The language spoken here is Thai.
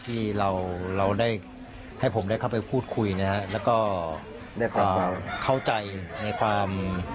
ที่เราเราได้ให้ผมได้เข้าไปพูดคุยนะฮะแล้วก็ได้เข้าใจในความ